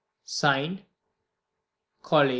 (Signed) COLLI.